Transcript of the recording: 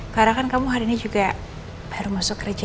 karena kan kamu hari ini juga baru masuk kerja